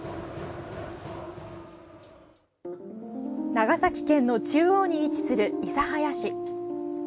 長崎県の中央に位置する諌早市。